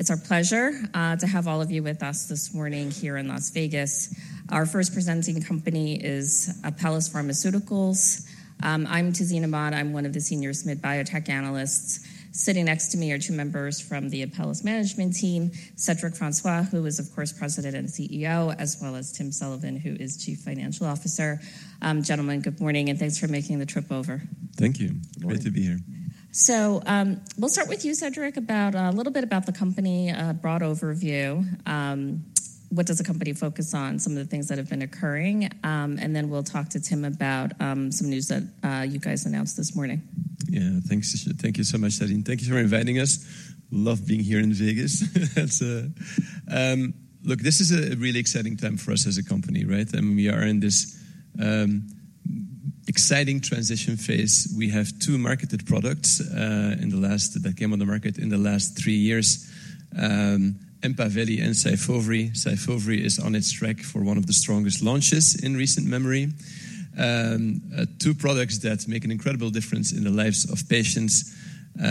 It's our pleasure to have all of you with us this morning here in Las Vegas. Our first presenting company is Apellis Pharmaceuticals. I'm Tazeen Ahmad, I'm one of the senior mid-biotech analysts. Sitting next to me are two members from the Apellis management team, Cedric Francois, who is, of course, President and CEO, as well as Tim Sullivan, who is Chief Financial Officer. Gentlemen, good morning, and thanks for making the trip over. Thank you. Good morning. Great to be here. So, we'll start with you, Cedric, about a little bit about the company, a broad overview. What does the company focus on? Some of the things that have been occurring, and then we'll talk to Tim about some news that you guys announced this morning. Yeah. Thanks. Thank you so much, Tazeen. Thank you for inviting us. Love being here in Vegas. This is a really exciting time for us as a company, right? And we are in this exciting transition phase. We have two marketed products that came on the market in the last three years, EMPAVELI and SYFOVRE. SYFOVRE is on its track for one of the strongest launches in recent memory. Two products that make an incredible difference in the lives of patients.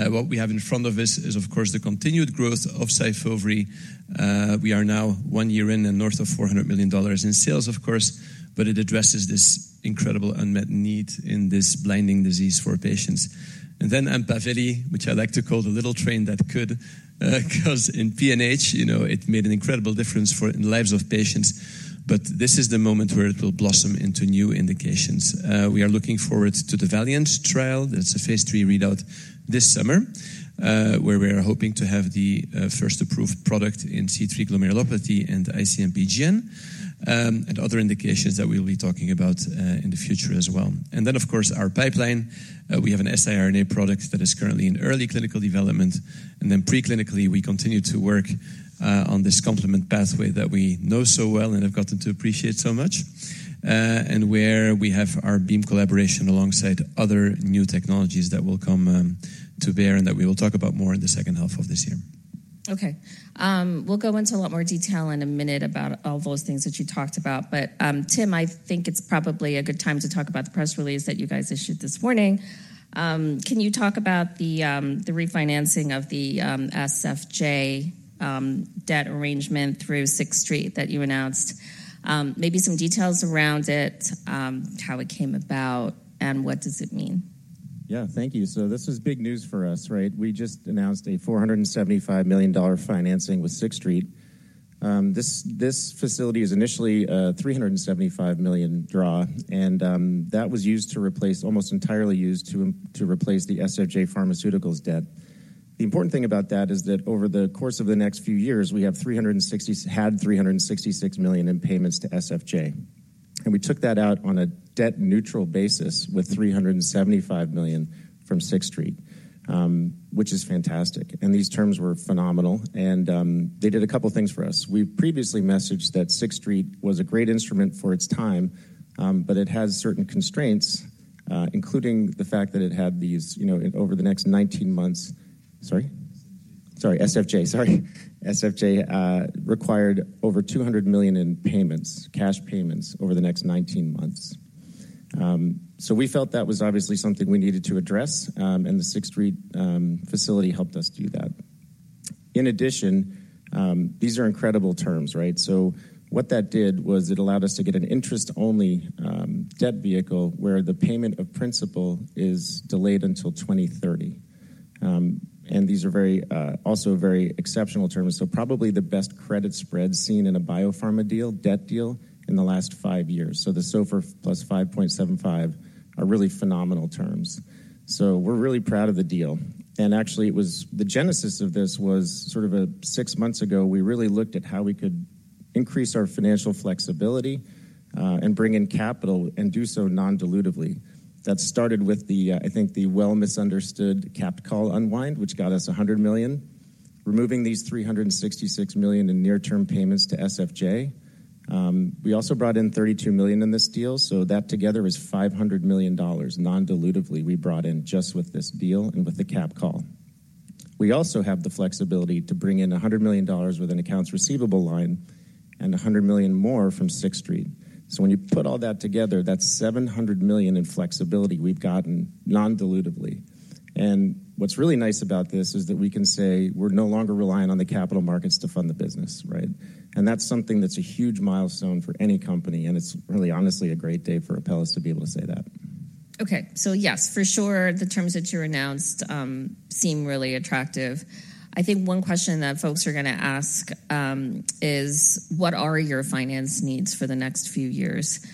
What we have in front of us is, of course, the continued growth of SYFOVRE. We are now one year in and north of $400 million in sales, of course, but it addresses this incredible unmet need in this blinding disease for patients. And then EMPAVELI, which I like to call the little train that could, 'cause in PNH, you know, it made an incredible difference for the lives of patients, but this is the moment where it will blossom into new indications. We are looking forward to the VALIANT trial. That's a phase III readout this summer, where we are hoping to have the, first approved product in C3 Glomerulopathy and IC-MPGN, and other indications that we'll be talking about, in the future as well. And then, of course, our pipeline. We have an siRNA product that is currently in early clinical development, and then pre-clinically, we continue to work on this complement pathway that we know so well and have gotten to appreciate so much, and where we have our Beam collaboration alongside other new technologies that will come to bear, and that we will talk about more in the second half of this year. Okay. We'll go into a lot more detail in a minute about all those things that you talked about. But, Tim, I think it's probably a good time to talk about the press release that you guys issued this morning. Can you talk about the refinancing of the SFJ debt arrangement through Sixth Street that you announced? Maybe some details around it, how it came about, and what does it mean? Yeah. Thank you. So this is big news for us, right? We just announced a $475 million financing with Sixth Street. This facility is initially a $375 million draw, and that was used to replace, almost entirely used to replace the SFJ Pharmaceuticals debt. The important thing about that is that over the course of the next few years, we had $366 million in payments to SFJ, and we took that out on a debt-neutral basis with $375 million from Sixth Street, which is fantastic. And these terms were phenomenal, and they did a couple of things for us. We previously messaged that Sixth Street was a great instrument for its time, but it has certain constraints, including the fact that it had these, you know, over the next 19 months. Sorry? Sorry, SFJ. Sorry. SFJ required over $200 million in payments, cash payments, over the next 19 months. So we felt that was obviously something we needed to address, and the Sixth Street facility helped us do that. In addition, these are incredible terms, right? So what that did was it allowed us to get an interest-only debt vehicle where the payment of principal is delayed until 2030. And these are very also very exceptional terms, so probably the best credit spread seen in a biopharma deal, debt deal, in the last five years. So the SOFR + 5.75 are really phenomenal terms. So we're really proud of the deal. Actually, the genesis of this was sort of six months ago. We really looked at how we could increase our financial flexibility and bring in capital and do so non-dilutively. That started with the, I think, the well-misunderstood capped call unwind, which got us $100 million, removing these $366 million in near-term payments to SFJ. We also brought in $32 million in this deal, so that together is $500 million non-dilutively, we brought in just with this deal and with the capped call. We also have the flexibility to bring in $100 million with an accounts receivable line and $100 million more from Sixth Street. So when you put all that together, that's $700 million in flexibility we've gotten non-dilutively. What's really nice about this is that we can say we're no longer relying on the capital markets to fund the business, right? And that's something that's a huge milestone for any company, and it's really, honestly, a great day for Apellis to be able to say that. Okay. So yes, for sure, the terms that you announced seem really attractive. I think one question that folks are gonna ask is: What are your finance needs for the next few years?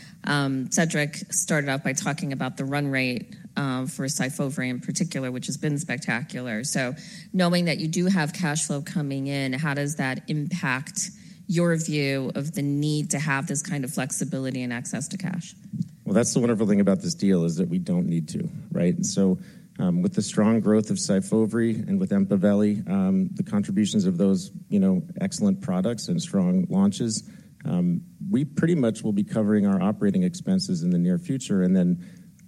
Cedric started out by talking about the run rate for SYFOVRE in particular, which has been spectacular. So knowing that you do have cash flow coming in, how does that impact your view of the need to have this kind of flexibility and access to cash? Well, that's the wonderful thing about this deal, is that we don't need to, right? And so, with the strong growth of SYFOVRE and with EMPAVELI, the contributions of those, you know, excellent products and strong launches, we pretty much will be covering our operating expenses in the near future. And then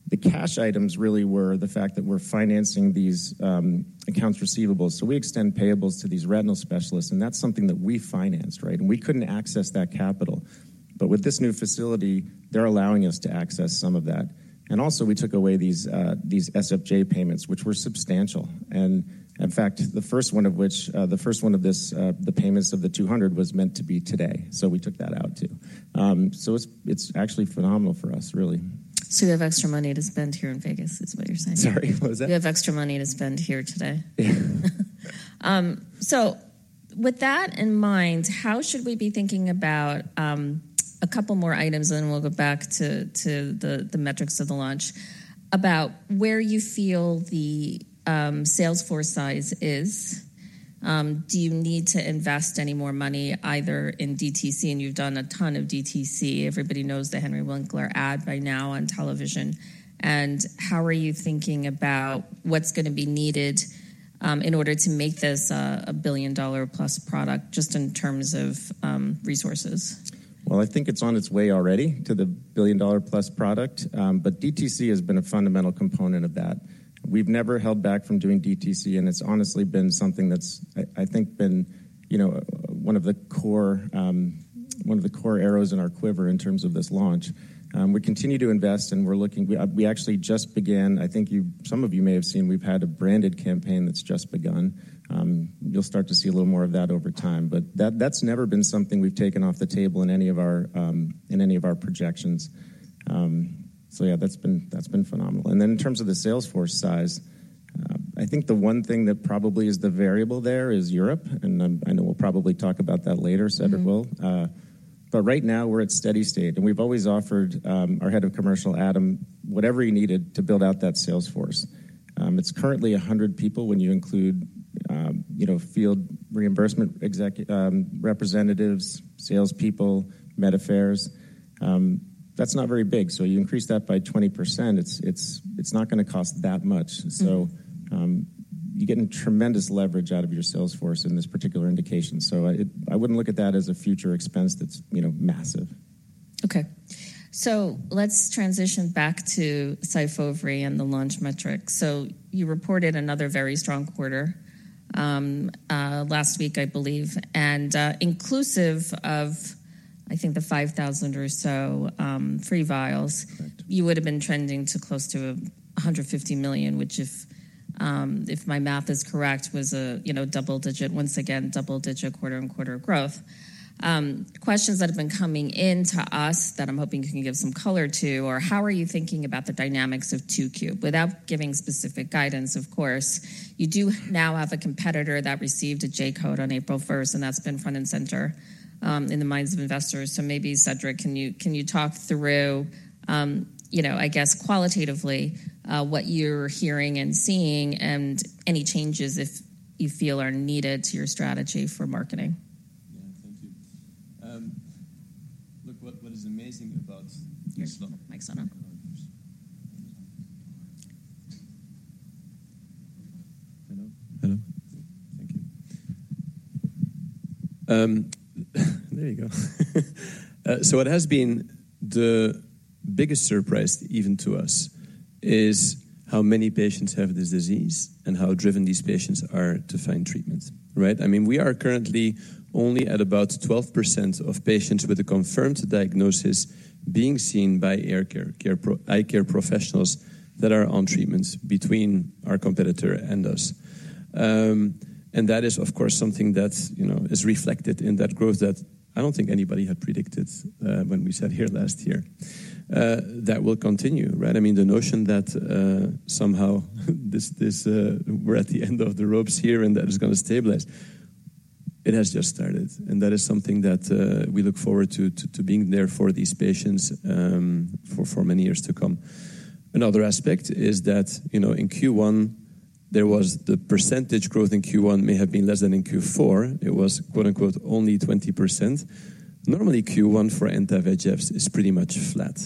the cash items really were the fact that we're financing these, accounts receivables. So we extend payables to these retinal specialists, and that's something that we financed, right? And we couldn't access that capital. But with this new facility, they're allowing us to access some of that. And also we took away these, these SFJ payments, which were substantial. And in fact, the first one of which, the first one of this, the payments of $200 was meant to be today, so we took that out, too. So it's actually phenomenal for us, really. So you have extra money to spend here in Vegas, is what you're saying? Sorry, what was that? You have extra money to spend here today. Yeah. So with that in mind, how should we be thinking about a couple more items, and then we'll go back to the metrics of the launch, about where you feel the sales force size is? Do you need to invest any more money, either in DTC, and you've done a ton of DTC. Everybody knows the Henry Winkler ad by now on television. And how are you thinking about what's gonna be needed in order to make this a billion-dollar-plus product, just in terms of resources? Well, I think it's on its way already to the billion-dollar-plus product, but DTC has been a fundamental component of that. We've never held back from doing DTC, and it's honestly been something that's, I think been, you know, one of the core arrows in our quiver in terms of this launch. We continue to invest, and we're looking. We actually just began. I think some of you may have seen, we've had a branded campaign that's just begun. You'll start to see a little more of that over time, but that, that's never been something we've taken off the table in any of our projections. So yeah, that's been phenomenal. Then in terms of the sales force size, I think the one thing that probably is the variable there is Europe, and I know we'll probably talk about that later, Cedric will. Mm-hmm. But right now we're at steady state, and we've always offered our Head of Commercial, Adam, whatever he needed to build out that sales force. It's currently 100 people when you include, you know, field reimbursement executives, representatives, salespeople, med affairs. That's not very big, so you increase that by 20%, it's not gonna cost that much. Mm-hmm. So, you're getting tremendous leverage out of your sales force in this particular indication. So I wouldn't look at that as a future expense that's, you know, massive. Okay. So let's transition back to SYFOVRE and the launch metrics. So you reported another very strong quarter last week, I believe. And inclusive of, I think, the 5,000 or so free vials- Correct... you would've been trending to close to $150 million, which if, if my math is correct, was a, you know, double-digit, once again, double-digit quarter-over-quarter growth. Questions that have been coming in to us that I'm hoping you can give some color to are: how are you thinking about the dynamics of Q2? Without giving specific guidance, of course. You do now have a competitor that received a J-code on April first, and that's been front and center, in the minds of investors. So maybe, Cedric, can you, can you talk through, you know, I guess qualitatively, what you're hearing and seeing, and any changes if you feel are needed to your strategy for marketing? Yeah. Thank you. Look, what, what is amazing about- Your mic's not on. Hello? Hello. Thank you. There you go. So what has been the biggest surprise, even to us, is how many patients have this disease and how driven these patients are to find treatment, right? I mean, we are currently only at about 12% of patients with a confirmed diagnosis being seen by eye care professionals that are on treatments between our competitor and us. And that is, of course, something that, you know, is reflected in that growth that I don't think anybody had predicted, when we sat here last year. That will continue, right? I mean, the notion that somehow we're at the end of the ropes here, and that is gonna stabilize. It has just started, and that is something that we look forward to being there for these patients for many years to come. Another aspect is that, you know, in Q1, the % growth in Q1 may have been less than in Q4. It was, quote unquote, “only 20%.” Normally, Q1 for anti-VEGFs is pretty much flat,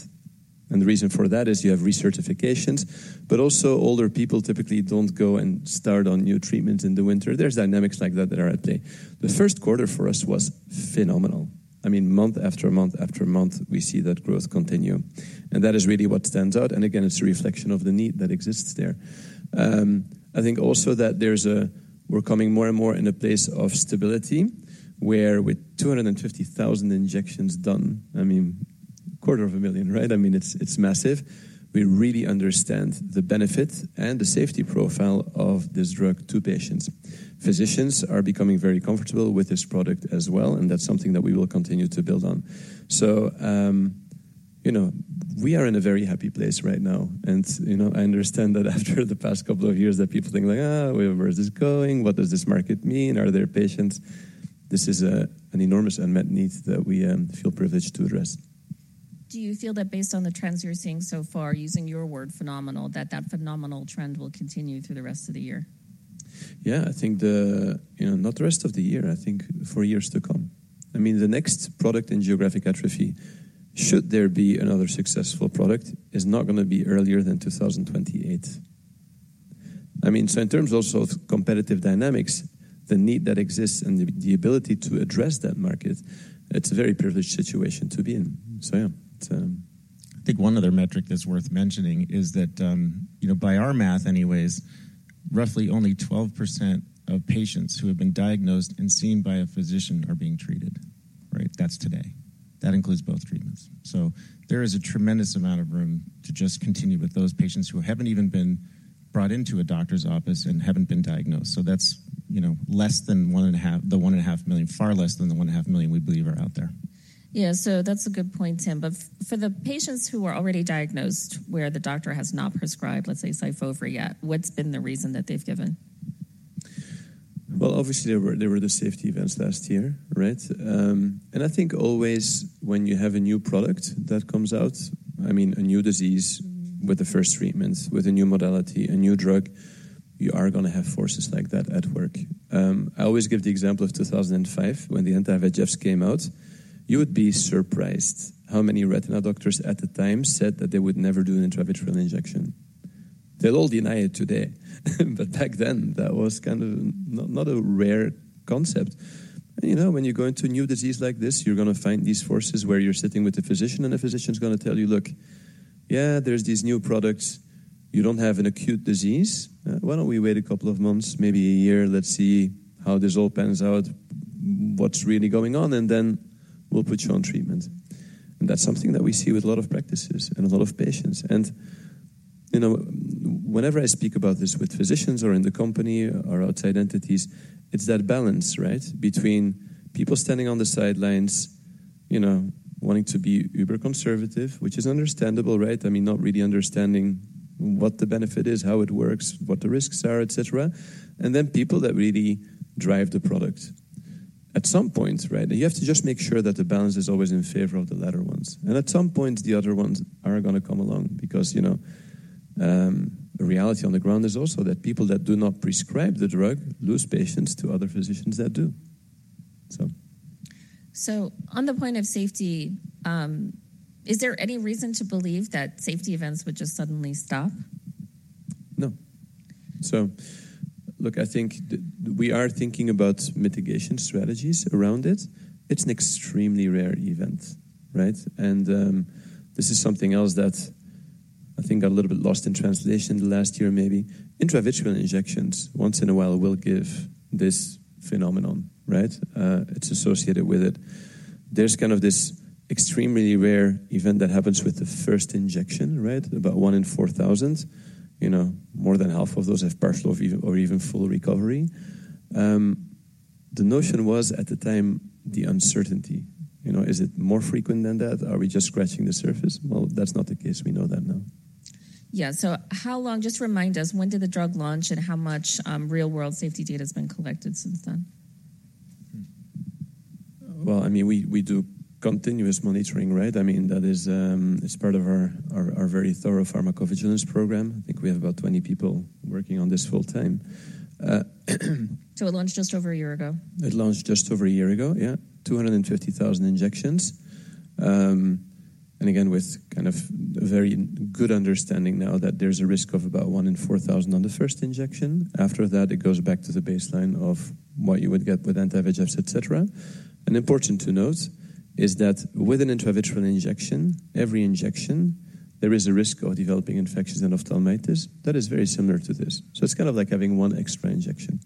and the reason for that is you have recertifications, but also older people typically don't go and start on new treatments in the winter. There's dynamics like that that are at play. The first quarter for us was phenomenal. I mean, month after month after month, we see that growth continue, and that is really what stands out, and again, it's a reflection of the need that exists there. I think also that there's we're coming more and more in a place of stability, where with 250,000 injections done, I mean, a quarter of a million, right? I mean, it's, it's massive. We really understand the benefit and the safety profile of this drug to patients. Physicians are becoming very comfortable with this product as well, and that's something that we will continue to build on. So, you know, we are in a very happy place right now, and, you know, I understand that after the past couple of years, that people think like, "where, where is this going? What does this market mean? Are there patients?" This is a, an enormous unmet need that we, feel privileged to address. Do you feel that based on the trends you're seeing so far, using your word, "phenomenal," that that phenomenal trend will continue through the rest of the year? Yeah. I think the... You know, not the rest of the year, I think for years to come. I mean, the next product in geographic atrophy, should there be another successful product, is not gonna be earlier than 2028. I mean, so in terms also of competitive dynamics, the need that exists and the ability to address that market, it's a very privileged situation to be in. So yeah, it's I think one other metric that's worth mentioning is that, you know, by our math anyways, roughly only 12% of patients who have been diagnosed and seen by a physician are being treated.... Right? That's today. That includes both treatments. So there is a tremendous amount of room to just continue with those patients who haven't even been brought into a doctor's office and haven't been diagnosed. So that's, you know, less than 1.5-- the 1.5 million, far less than the 1.5 million we believe are out there. Yeah, so that's a good point, Tim. But for the patients who are already diagnosed, where the doctor has not prescribed, let's say, SYFOVRE yet, what's been the reason that they've given? Well, obviously, there were, there were the safety events last year, right? And I think always when you have a new product that comes out, I mean, a new disease with the first treatment, with a new modality, a new drug, you are gonna have forces like that at work. I always give the example of 2005, when the anti-VEGFs came out. You would be surprised how many retina doctors at the time said that they would never do an intravitreal injection. They'll all deny it today, but back then, that was kind of not, not a rare concept. And, you know, when you go into a new disease like this, you're gonna find these forces where you're sitting with a physician, and a physician's gonna tell you, "Look, yeah, there's these new products. You don't have an acute disease. Why don't we wait a couple of months, maybe a year? Let's see how this all pans out, what's really going on, and then we'll put you on treatment." And that's something that we see with a lot of practices and a lot of patients. And, you know, whenever I speak about this with physicians or in the company or outside entities, it's that balance, right? Between people standing on the sidelines, you know, wanting to be uber conservative, which is understandable, right? I mean, not really understanding what the benefit is, how it works, what the risks are, et cetera, and then people that really drive the product. At some point, right, you have to just make sure that the balance is always in favor of the latter ones. At some point, the other ones are gonna come along because, you know, the reality on the ground is also that people that do not prescribe the drug lose patients to other physicians that do, so. On the point of safety, is there any reason to believe that safety events would just suddenly stop? No. So look, I think we are thinking about mitigation strategies around it. It's an extremely rare event, right? And this is something else that I think got a little bit lost in translation the last year, maybe. Intravitreal injections once in a while will give this phenomenon, right? It's associated with it. There's kind of this extremely rare event that happens with the first injection, right? About 1 in 4,000. You know, more than half of those have partial or even, or even full recovery. The notion was, at the time, the uncertainty. You know, is it more frequent than that? Are we just scratching the surface? Well, that's not the case. We know that now. Yeah. So how long...? Just remind us, when did the drug launch, and how much real-world safety data has been collected since then? Well, I mean, we do continuous monitoring, right? I mean, that is, it's part of our very thorough pharmacovigilance program. I think we have about 20 people working on this full time. It launched just over a year ago. It launched just over a year ago, yeah. 250,000 injections. And again, with kind of a very good understanding now that there's a risk of about 1 in 4,000 on the first injection. After that, it goes back to the baseline of what you would get with anti-VEGFs, et cetera. And important to note is that with an intravitreal injection, every injection, there is a risk of developing infections and endophthalmitis that is very similar to this. So it's kind of like having one extra injection.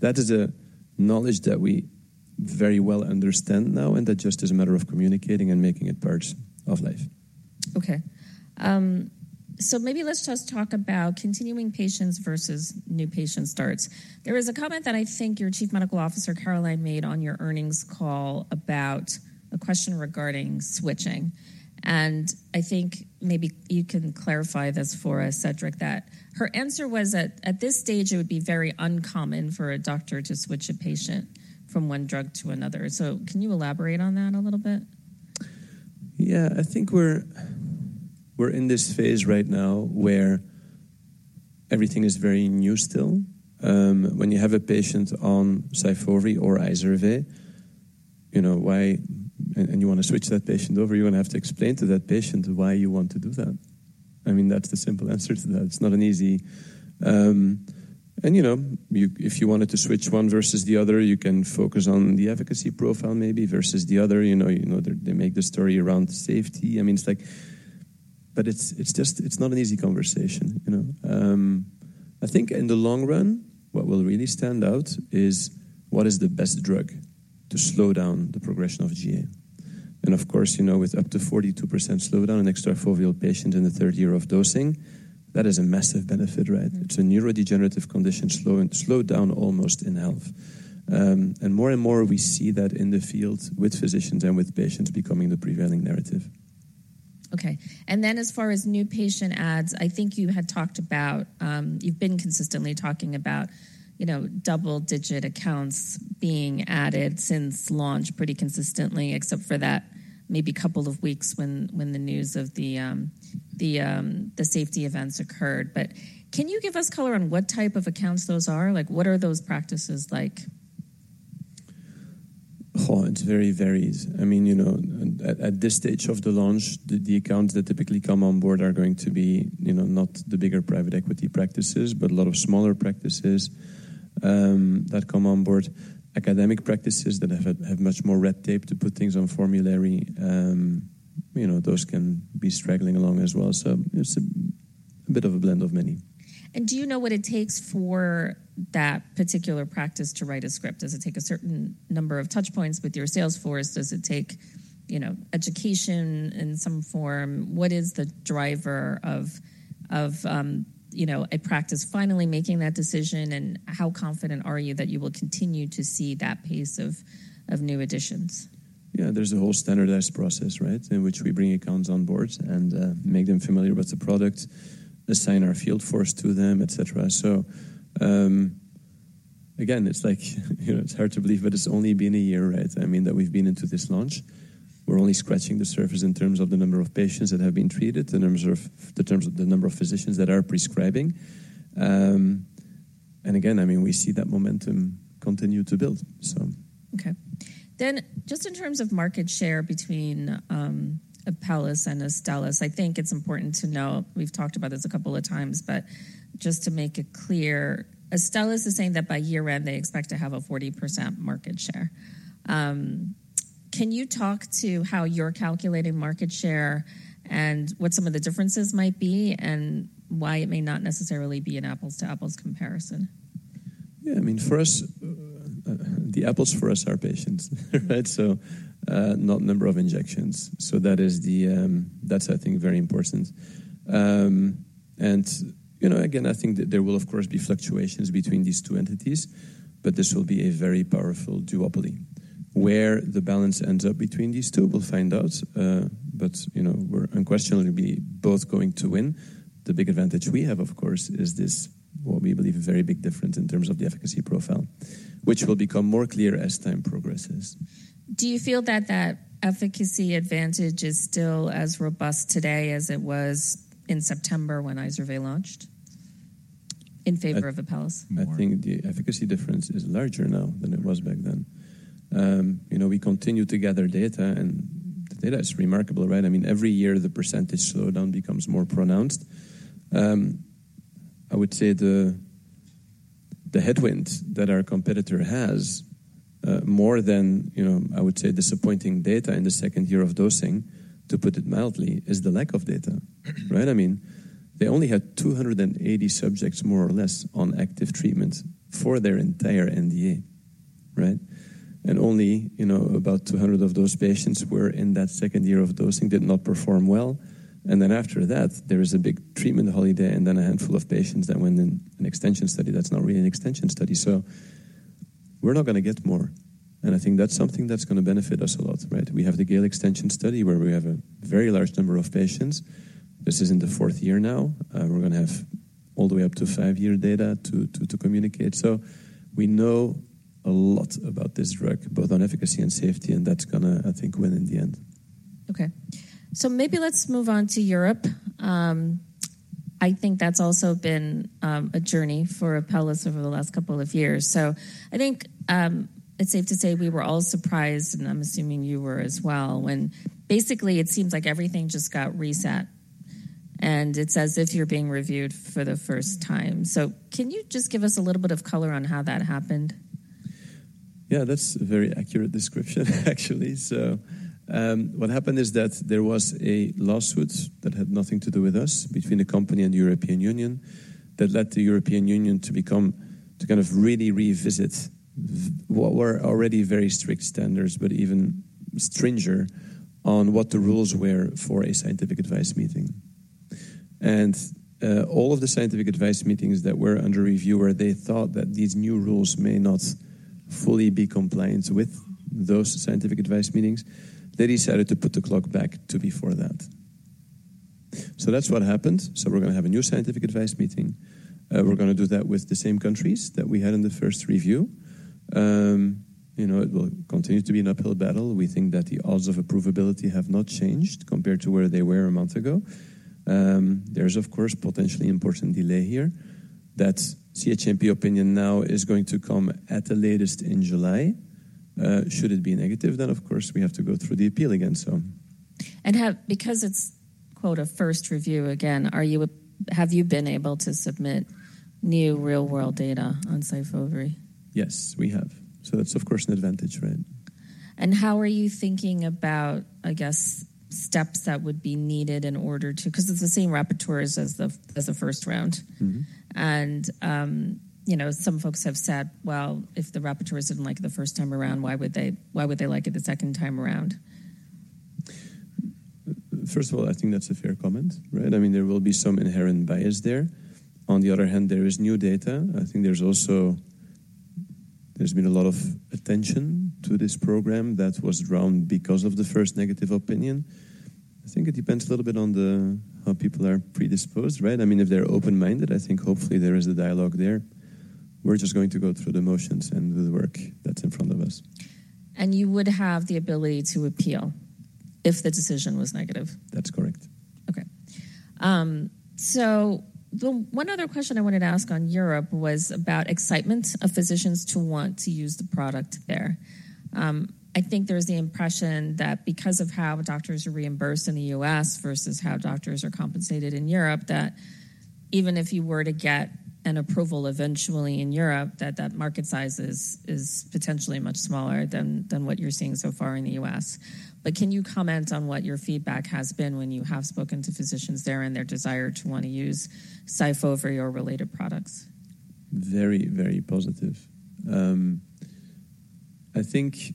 That is a knowledge that we very well understand now, and that just is a matter of communicating and making it part of life. Okay. So maybe let's just talk about continuing patients versus new patient starts. There was a comment that I think your Chief Medical Officer, Caroline, made on your earnings call about a question regarding switching, and I think maybe you can clarify this for us, Cedric, that her answer was that at this stage, it would be very uncommon for a doctor to switch a patient from one drug to another. So can you elaborate on that a little bit? Yeah. I think we're in this phase right now where everything is very new still. When you have a patient on SYFOVRE or IZERVAI, you know, and you wanna switch that patient over, you're gonna have to explain to that patient why you want to do that. I mean, that's the simple answer to that. It's not an easy. And, you know, if you wanted to switch one versus the other, you can focus on the efficacy profile maybe versus the other. You know, you know, they make the story around safety. I mean, it's like. But it's, it's just, it's not an easy conversation, you know? I think in the long run, what will really stand out is: what is the best drug to slow down the progression of GA? Of course, you know, with up to 42% slowdown in extrafoveal patients in the third year of dosing, that is a massive benefit, right? It's a neurodegenerative condition slowing, slowed down almost in half. More and more we see that in the field with physicians and with patients becoming the prevailing narrative. Okay. And then as far as new patient adds, I think you had talked about, you've been consistently talking about, you know, double-digit accounts being added since launch pretty consistently, except for that maybe couple of weeks when the news of the safety events occurred. But can you give us color on what type of accounts those are? Like, what are those practices like? Oh, it very varies. I mean, you know, at this stage of the launch, the accounts that typically come on board are going to be, you know, not the bigger private equity practices, but a lot of smaller practices that come on board. Academic practices that have much more red tape to put things on formulary, you know, those can be straggling along as well. So it's a bit of a blend of many. Do you know what it takes for that particular practice to write a script? Does it take a certain number of touch points with your sales force? Does it take, you know, education in some form? What is the driver of, you know, a practice finally making that decision, and how confident are you that you will continue to see that pace of new additions? Yeah, there's a whole standardized process, right? In which we bring accounts on board and, make them familiar with the product, assign our field force to them, et cetera. So, again, it's like, you know, it's hard to believe, but it's only been a year, right? I mean, that we've been into this launch. We're only scratching the surface in terms of the number of patients that have been treated, in terms of the number of physicians that are prescribing. And again, I mean, we see that momentum continue to build, so. Okay. Then just in terms of market share between Apellis and Astellas, I think it's important to know, we've talked about this a couple of times, but just to make it clear, Astellas is saying that by year-end, they expect to have a 40% market share. Can you talk to how you're calculating market share and what some of the differences might be, and why it may not necessarily be an apples-to-apples comparison? Yeah, I mean, for us, the Apellis for us are patients, right? So, not number of injections. So that is the... That's, I think, very important. And, you know, again, I think that there will, of course, be fluctuations between these two entities, but this will be a very powerful duopoly. Where the balance ends up between these two, we'll find out, but, you know, we're unquestionably both going to win. The big advantage we have, of course, is this, what we believe, a very big difference in terms of the efficacy profile, which will become more clear as time progresses. Do you feel that that efficacy advantage is still as robust today as it was in September when IZERVAI launched, in favor of Apellis? I think the efficacy difference is larger now than it was back then. You know, we continue to gather data, and the data is remarkable, right? I mean, every year the percentage slowdown becomes more pronounced. I would say the headwind that our competitor has, more than, you know, I would say disappointing data in the second year of dosing, to put it mildly, is the lack of data, right? I mean, they only had 280 subjects, more or less, on active treatment for their entire NDA, right? And only, you know, about 200 of those patients were in that second year of dosing, did not perform well, and then after that, there is a big treatment holiday, and then a handful of patients that went in an extension study that's not really an extension study. So we're not gonna get more, and I think that's something that's gonna benefit us a lot, right? We have the GALE extension study, where we have a very large number of patients. This is in the fourth year now. We're gonna have all the way up to five-year data to communicate. So we know a lot about this drug, both on efficacy and safety, and that's gonna, I think, win in the end. Okay, so maybe let's move on to Europe. I think that's also been a journey for Apellis over the last couple of years. So I think, it's safe to say we were all surprised, and I'm assuming you were as well, when basically it seems like everything just got reset, and it's as if you're being reviewed for the first time. So can you just give us a little bit of color on how that happened? Yeah, that's a very accurate description, actually. So, what happened is that there was a lawsuit that had nothing to do with us, between the company and the European Union, that led the European Union to become- to kind of really revisit what were already very strict standards, but even stricter on what the rules were for a scientific advice meeting. And, all of the scientific advice meetings that were under review, where they thought that these new rules may not fully be compliant with those scientific advice meetings, they decided to put the clock back to before that. So that's what happened. So we're gonna have a new scientific advice meeting. We're gonna do that with the same countries that we had in the first review. You know, it will continue to be an uphill battle. We think that the odds of approvability have not changed compared to where they were a month ago. There's of course, potentially important delay here. That CHMP opinion now is going to come at the latest in July. Should it be negative, then, of course, we have to go through the appeal again, so. Because it's, "a first review again," have you been able to submit new real-world data on SYFOVRE? Yes, we have. So that's of course, an advantage, right? How are you thinking about, I guess, steps that would be needed in order to... 'cause it's the same rapporteurs as the, as the first round? Mm-hmm. You know, some folks have said, "Well, if the rapporteurs didn't like it the first time around, why would they, why would they like it the second time around? First of all, I think that's a fair comment, right? I mean, there will be some inherent bias there. On the other hand, there is new data. I think there's also been a lot of attention to this program that was drawn because of the first negative opinion. I think it depends a little bit on how people are predisposed, right? I mean, if they're open-minded, I think hopefully there is a dialogue there. We're just going to go through the motions and do the work that's in front of us. You would have the ability to appeal if the decision was negative? That's correct. Okay. So one other question I wanted to ask on Europe was about excitement of physicians to want to use the product there. I think there's the impression that because of how doctors are reimbursed in the U.S. versus how doctors are compensated in Europe, that even if you were to get an approval eventually in Europe, that that market size is potentially much smaller than what you're seeing so far in the U.S. But can you comment on what your feedback has been when you have spoken to physicians there and their desire to want to use SYFOVRE or related products?... Very, very positive. I think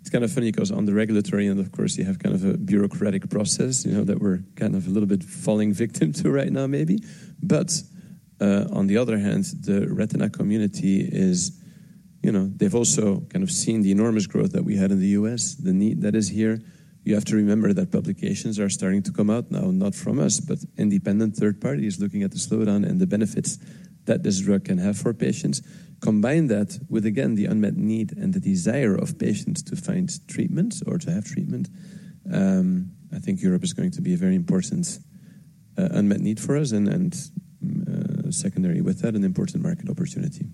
it's kind of funny because on the regulatory end, of course, you have kind of a bureaucratic process, you know, that we're kind of a little bit falling victim to right now maybe. But, on the other hand, the retina community is, you know, they've also kind of seen the enormous growth that we had in the U.S., the need that is here. You have to remember that publications are starting to come out now, not from us, but independent third parties looking at the slowdown and the benefits that this drug can have for patients. Combine that with, again, the unmet need and the desire of patients to find treatment or to have treatment. I think Europe is going to be a very important unmet need for us and, and, secondary with that, an important market opportunity.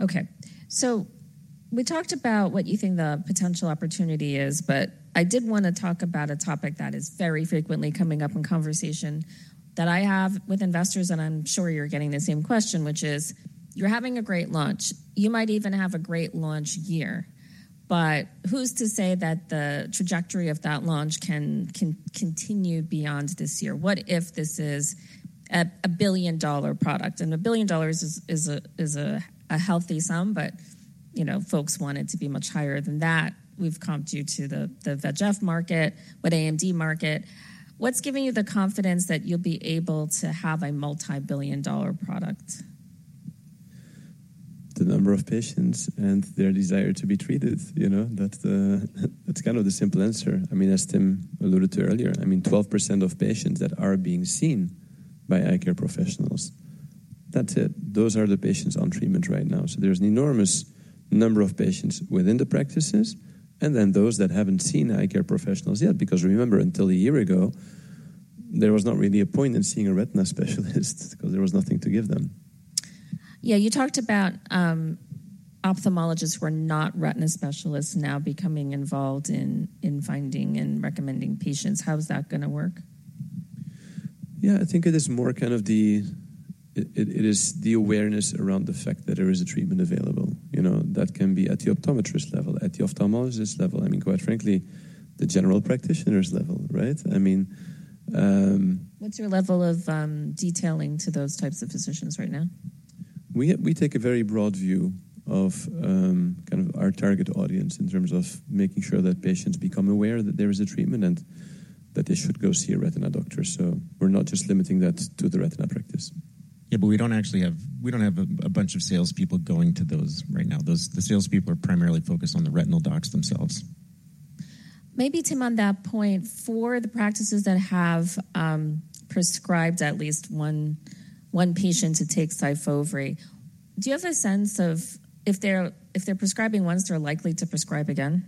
Okay. So we talked about what you think the potential opportunity is, but I did wanna talk about a topic that is very frequently coming up in conversation that I have with investors, and I'm sure you're getting the same question, which is: you're having a great launch. You might even have a great launch year, but who's to say that the trajectory of that launch can, can continue beyond this year? What if this is a, a billion-dollar product? And a billion dollars is, is a, is a, a healthy sum, but, you know, folks want it to be much higher than that. We've comped you to the, the VEGF market with AMD market. What's giving you the confidence that you'll be able to have a multi-billion dollar product? The number of patients and their desire to be treated, you know. That's kind of the simple answer. I mean, as Tim alluded to earlier, I mean, 12% of patients that are being seen by eye care professionals, that's it. Those are the patients on treatment right now. So there's an enormous number of patients within the practices and then those that haven't seen eye care professionals yet. Because remember, until a year ago, there was not really a point in seeing a retina specialist because there was nothing to give them. Yeah, you talked about ophthalmologists who are not retina specialists now becoming involved in finding and recommending patients. How is that gonna work? Yeah, I think it is more kind of the awareness around the fact that there is a treatment available. You know, that can be at the optometrist level, at the ophthalmologist level, I mean, quite frankly, the general practitioner's level, right? I mean, What's your level of detailing to those types of physicians right now? We take a very broad view of kind of our target audience in terms of making sure that patients become aware that there is a treatment, and that they should go see a retina doctor. So we're not just limiting that to the retina practice. Yeah, but we don't actually have a bunch of salespeople going to those right now. Those, the salespeople are primarily focused on the retinal docs themselves. Maybe, Tim, on that point, for the practices that have prescribed at least one patient to take SYFOVRE, do you have a sense of if they're prescribing once, they're likely to prescribe again?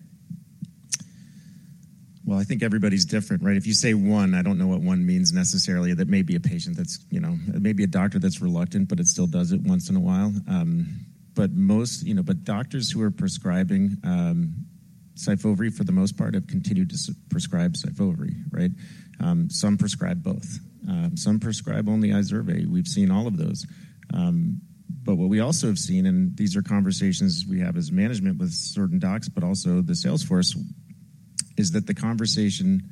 Well, I think everybody's different, right? If you say one, I don't know what one means necessarily. That may be a patient that's, you know. It may be a doctor that's reluctant, but still does it once in a while. But most, you know, doctors who are prescribing SYFOVRE, for the most part, have continued to prescribe SYFOVRE, right? Some prescribe both. Some prescribe only IZERVAI. We've seen all of those. But what we also have seen, and these are conversations we have as management with certain docs, but also the sales force, is that the conversation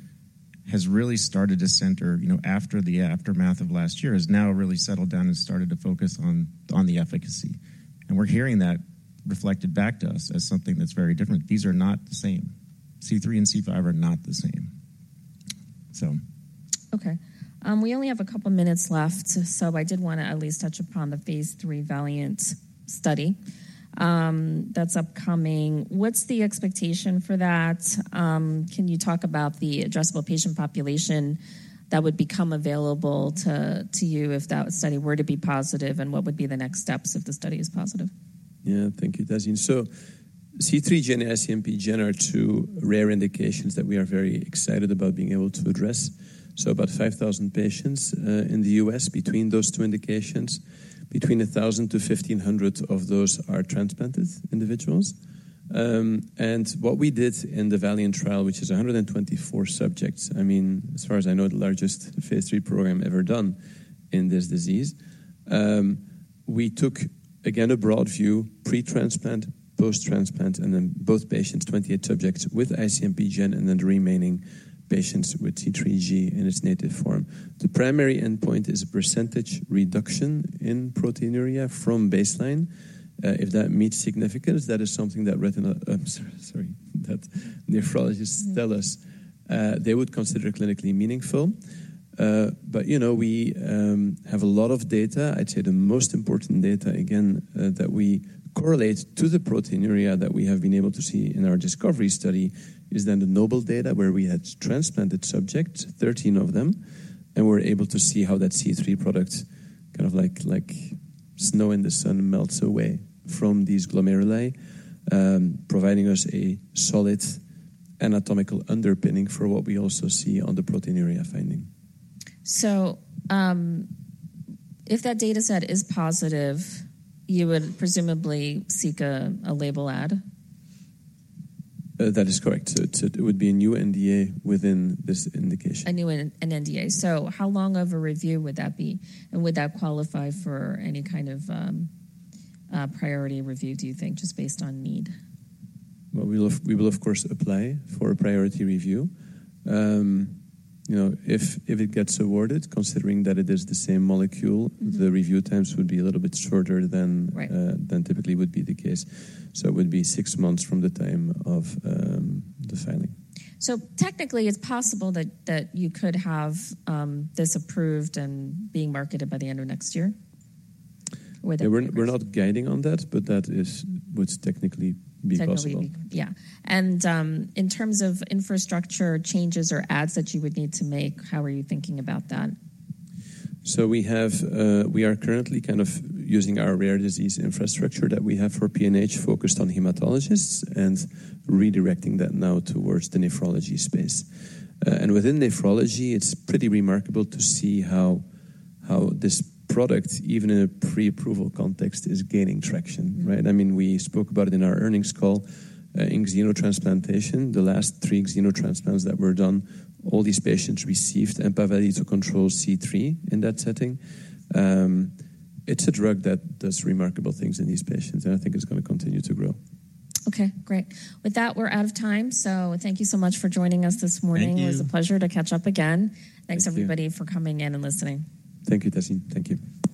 has really started to center, you know, after the aftermath of last year, has now really settled down and started to focus on the efficacy. And we're hearing that reflected back to us as something that's very different. These are not the same. C3 and C5 are not the same. So. Okay. We only have a couple of minutes left, so I did wanna at least touch upon the Phase III VALIANT study, that's upcoming. What's the expectation for that? Can you talk about the addressable patient population that would become available to, to you if that study were to be positive, and what would be the next steps if the study is positive? Yeah. Thank you, Tazeen. So C3G and IC-MPGN are two rare indications that we are very excited about being able to address. So about 5,000 patients in the US between those two indications, between 1,000 to 1,500 of those are transplanted individuals. And what we did in the VALIANT trial, which is 124 subjects, I mean, as far as I know, the largest Phase 3 program ever done in this disease. We took, again, a broad view, pre-transplant, post-transplant, and then both patients, 28 subjects with IC-MPGN, and then the remaining patients with C3G in its native form. The primary endpoint is a percentage reduction in proteinuria from baseline. If that meets significance, that is something that retina... sorry, sorry, that nephrologists- Mm-hmm. tell us they would consider clinically meaningful. But you know, we have a lot of data. I'd say the most important data, again, that we correlate to the proteinuria that we have been able to see in our discovery study, is then the NOBLE data where we had transplanted subjects, 13 of them, and we're able to see how that C3 product, kind of like, like snow in the sun, melts away from these glomeruli, providing us a solid anatomical underpinning for what we also see on the proteinuria finding. If that data set is positive, you would presumably seek a label add? That is correct. So it would be a new NDA within this indication. an NDA. Mm-hmm. So how long of a review would that be, and would that qualify for any kind of priority review, do you think, just based on need? Well, we will, we will of course, apply for a priority review. You know, if, if it gets awarded, considering that it is the same molecule- Mm-hmm... the review times would be a little bit shorter than- Right... than typically would be the case. So it would be six months from the time of the filing. So technically, it's possible that, that you could have this approved and being marketed by the end of next year or the- Yeah, we're not, we're not guiding on that, but that is, would technically be possible. Technically, yeah. In terms of infrastructure changes or adds that you would need to make, how are you thinking about that? We are currently kind of using our rare disease infrastructure that we have for PNH, focused on hematologists, and redirecting that now towards the nephrology space. Within nephrology, it's pretty remarkable to see how this product, even in a pre-approval context, is gaining traction, right? Mm-hmm. I mean, we spoke about it in our earnings call. In xenotransplantation, the last three xenotransplants that were done, all these patients received EMPAVELI to control C3 in that setting. It's a drug that does remarkable things in these patients, and I think it's gonna continue to grow. Okay, great. With that, we're out of time, so thank you so much for joining us this morning. Thank you. It was a pleasure to catch up again. Thank you. Thanks, everybody, for coming in and listening. Thank you, Tazeen. Thank you.